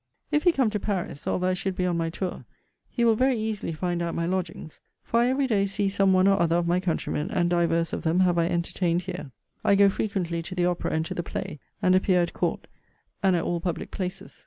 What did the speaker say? If he come to Paris, although I should be on my tour, he will very easily find out my lodgings. For I every day see some one or other of my countrymen, and divers of them have I entertained here. I go frequently to the opera and to the play, and appear at court, and at all public places.